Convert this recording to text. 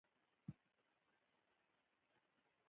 انګور د افغانستان د اوږدمهاله پایښت لپاره رول لري.